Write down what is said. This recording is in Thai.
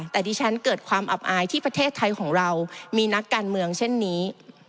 แต่ดิฉันเกิดความอับอายที่ประเทศไทยของเรามีนักการเมืองเช่นนี้